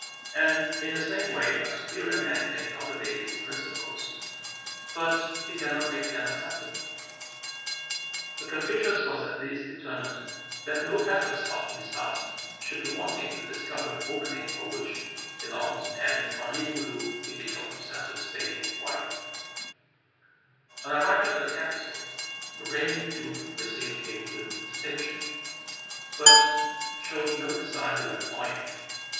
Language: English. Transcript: And in the same way a superior man can cultivate his principles, but he cannot make them acceptable." But Confucius was at least determined that no efforts on his part should be wanting to discover the opening for which he longed, and on leaving Loo he betook himself to the state of Wei. On arriving at the capital, the reigning duke received him with distinction, but showed no desire to employ him.